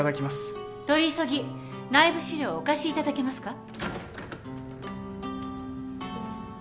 取り急ぎ内部資料をお貸しいただけますか？